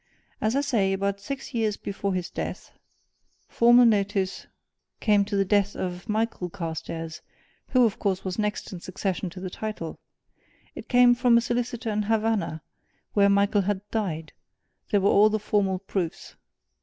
As I say, about six years before his death, formal notice came of the death of Michael Carstairs, who, of course, was next in succession to the title. It came from a solicitor in Havana, where Michael had died there were all the formal proofs.